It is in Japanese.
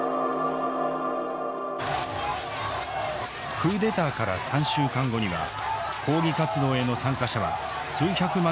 クーデターから３週間後には抗議活動への参加者は数百万人にまで膨れあがりました。